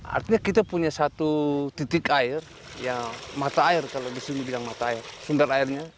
artinya kita punya satu titik air mata air kalau disini bilang mata air sumber airnya